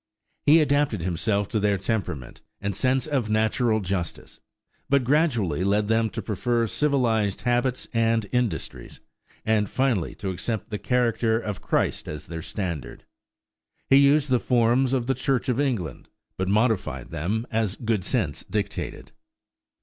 He adapted himself to their temperament and sense of natural justice, but gradually led them to prefer civilized habits and industries, and finally to accept the character of Christ as their standard. He used the forms of the Church of England, but modified them as good sense dictated.